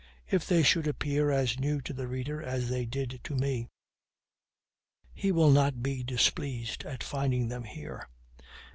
If they should appear as new to the reader as they did to me, he will not be displeased at finding them here.